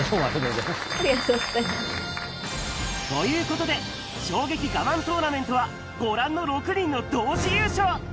ということで、衝撃我慢トーナメントは、ご覧の６人の同時優勝。